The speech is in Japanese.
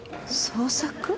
捜索？